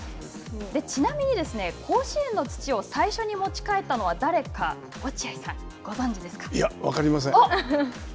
ちなみにですね、甲子園の土を最初に持ち帰ったのは誰かいや、分かりません。